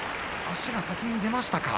足が先に出ましたか。